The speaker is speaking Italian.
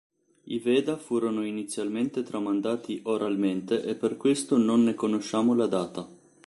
I Veda furono inizialmente tramandati oralmente e per questo non ne conosciamo la data.